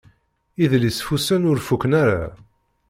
Idlisfusen ur fuqen ara.